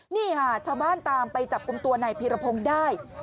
นี่ค่ะชาวบ้านตามไปจับกลุ่มตัวนายพีรพงศ์ได้